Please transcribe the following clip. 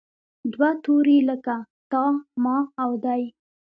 دوه توري لکه تا، ما او دی.